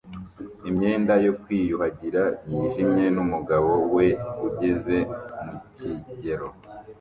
imyenda yo kwiyuhagira yijimye n'umugabo we ugeze mu kigero